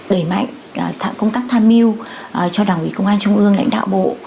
đẩy mạnh công tác tham mưu cho đảng ủy công an trung ương lãnh đạo bộ